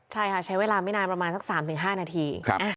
ใช่ค่ะใช้เวลาไม่นานประมาณสัก๓๕นาที